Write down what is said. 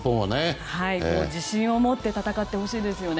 自信を持って戦ってほしいですよね。